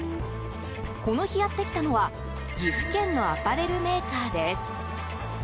この日やってきたのは岐阜県のアパレルメーカーです。